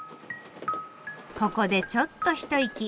ここでちょっと一息。